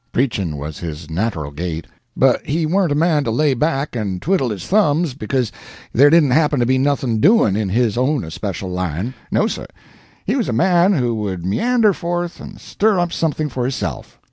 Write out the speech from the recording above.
Preachin was his nateral gait, but he warn't a man to lay back and twidle his thumbs because there didn't happen to be nothin' doin' in his own especial line no, sir, he was a man who would meander forth and stir up something for hisself.